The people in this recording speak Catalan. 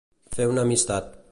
Fer una amistat.